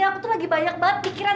aku tuh lagi banyak banget pikiran